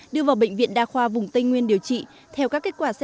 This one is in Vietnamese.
đưa vào bệnh viện đa khoa vùng tây nguyên điều trị